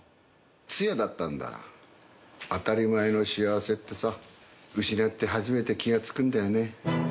通夜だったんだ当たり前の幸せってさ失って初めて気がつくんだよね